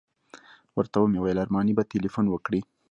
ورته ومې ویل ارماني به تیلفون وکړي.